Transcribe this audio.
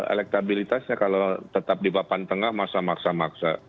elektabilitasnya kalau tetap di papan tengah masa maksa maksa